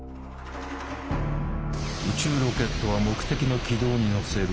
宇宙ロケットは目的の軌道に乗せる。